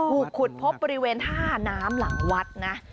ถูกขุดพบบริเวณท่าน้ำหลังวัดนะ